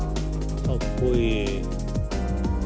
かっこいい。